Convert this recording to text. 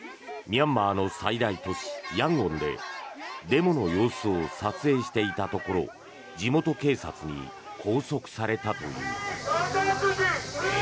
ミャンマーの最大都市ヤンゴンでデモの様子を撮影していたところ地元警察に拘束されたという。